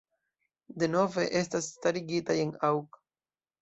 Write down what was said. Denove estas starigitaj en aŭg.